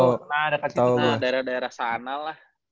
nah dekat situ nah daerah daerah sana lah